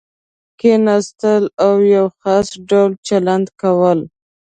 کېناستل او یو خاص ډول چلند کول.